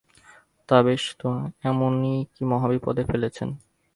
তা বেশ তো, এমনই কি মহাবিপদে ফেলেছেন!